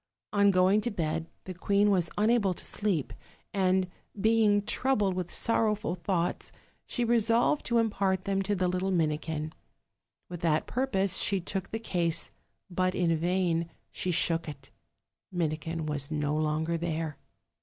On going to bed the queen was unable to sleep, and, being troubled with sorrowful thoughts, she resolved to impart them to the little Mini kin. With that purpose she took the case; but in vain she shook it Minikin was no longer there.